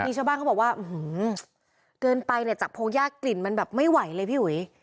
ชาวบ้านเขาบอกว่าเกินไปเนี่ยจากพงยากกลิ่นมันแบบไม่ไหวเลยพี่อุ๋ย